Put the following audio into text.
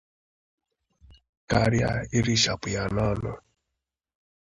karịa irichàpụ ya n'ọnụ.